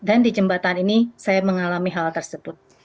dan di jembatan ini saya mengalami hal tersebut